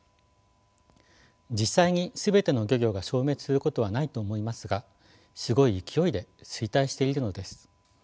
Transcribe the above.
実際に全ての漁業が消滅することはないと思いますがすごい勢いで衰退しているのです。